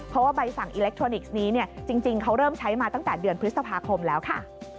เพราะว่าใบสั่งอิเล็กทรอนิกส์นี้จริงเขาเริ่มใช้มาตั้งแต่เดือนพฤษภาคมแล้วค่ะ